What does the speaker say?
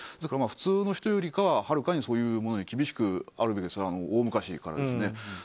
普通の人よりかははるかにそういうものに厳しくあるわけですが大昔からですね。